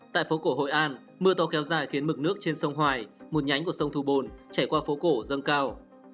tại phố cổ hội an mưa to kéo dài khiến mực nước trên sông hoài một nhánh của sông thu bồn chảy qua phố cổ dâng cao